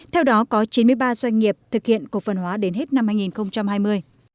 theo đó có chín mươi ba doanh nghiệp thực hiện cổ phần hóa đến hết năm hai nghìn hai mươi